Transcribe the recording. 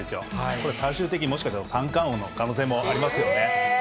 これ、最終的に、もしかしたら三冠王の可能性もありますよね。